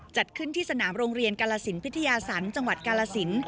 จัดขึ้นที่สนามโรงเรียนกาลสินพิทยาศาลจังหวัดกาลสิน